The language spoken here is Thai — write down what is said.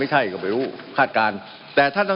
มันมีมาต่อเนื่องมีเหตุการณ์ที่ไม่เคยเกิดขึ้น